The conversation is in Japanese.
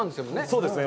そうですね。